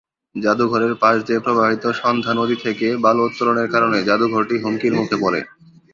জাদুঘরের পাশ দিয়ে প্রবাহিত সন্ধ্যা নদী থেকে বালু উত্তোলনের কারণে জাদুঘরটি হুমকির মুখে পড়ে।